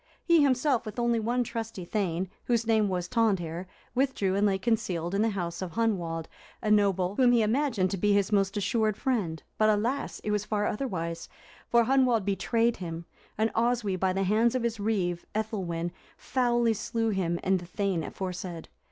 He himself, with only one trusty thegn, whose name was Tondhere, withdrew and lay concealed in the house of Hunwald, a noble,(362) whom he imagined to be his most assured friend. But, alas! it was far otherwise; for Hunwald betrayed him, and Oswy, by the hands of his reeve, Ethilwin, foully slew him and the thegn aforesaid.